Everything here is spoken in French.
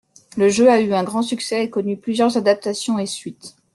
Le jeu a eu un grand succès et connu plusieurs adaptations et suites.